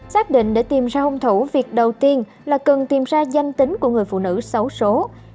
xác định để tìm ra hôn thủ việc đầu tiên là cần tìm ra danh tính của người phụ nữ xấu số